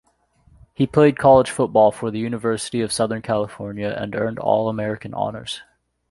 He played college football for the University of Southern California and earned All-American honors.